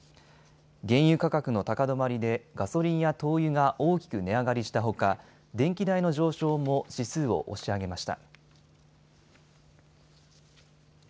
原油価格の高止まりでガソリンや灯油が大きく値上がりしたほか電気代の上昇も指数を押し上げました。